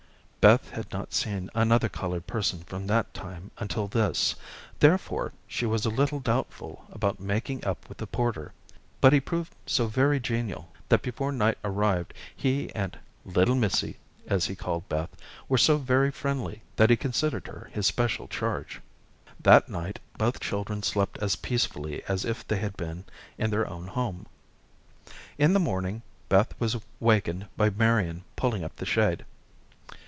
Beth had not seen another colored person from that time until this. Therefore, she was a little doubtful about making up with the porter. But he proved so very genial that before night arrived, he and "little missy," as he called Beth, were so very friendly that he considered her his special charge. That night both children slept as peacefully as if they had been in their own home. In the morning, Beth was wakened by Marian pulling up the shade.